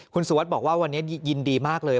คุณสุวัสดิ์บอกว่าวันนี้ยินดีมากเลย